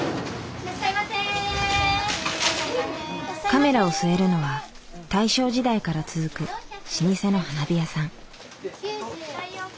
カメラを据えるのは大正時代から続く老舗の花火屋さん。